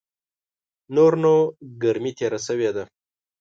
نور نو ګرمي تېره سوې ده .